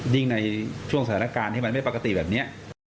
ยิ่งในช่วงสถานการณ์ที่มันไม่ปกติแบบนี้